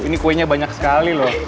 ini kuenya banyak sekali loh